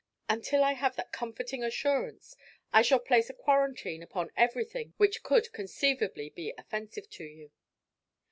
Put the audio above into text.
Until I have that comforting assurance, I shall place a quarantine upon everything which could conceivably be offensive to you.